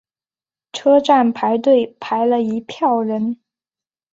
车站排队排了一票人